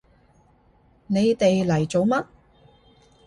你哋嚟做乜？